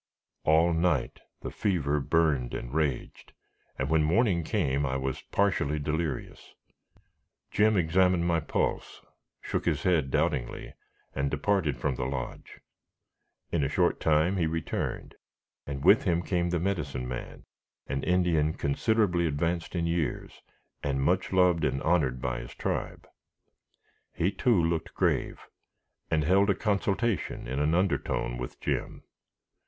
All night the fever burned and raged, and when morning came I was partially delirious. Jim examined my pulse, shook his head doubtingly, and departed from the lodge. In a short time he returned, and with him came the Medicine Man, an Indian considerably advanced in years, and much loved and honored by his tribe. He, too, looked grave, and held a consultation in an undertone with Jim.